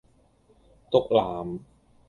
毒男